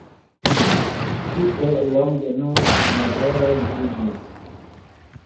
Tie longe nur nobeloj vivis.